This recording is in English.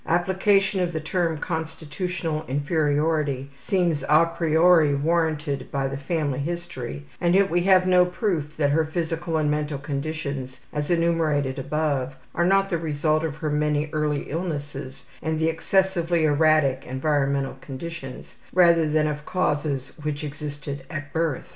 Application of the term constitutional inferiority seems a priori warranted by the family history and yet we have no proof that her physical and mental conditions as enumerated above are not the result of her many early illnesses and the excessively erratic environmental conditions, rather than of causes which existed at birth.